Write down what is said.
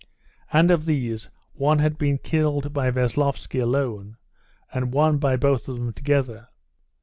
And of these one had been killed by Veslovsky alone, and one by both of them together.